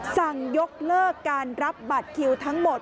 สั่งยกเลิกการรับบัตรคิวทั้งหมด